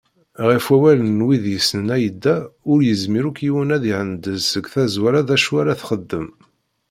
Ɣef wawal n wid yessnen Ai-Da, ur yezmir akk yiwen ad ihendez seg tazwara d acu ara d-texdem.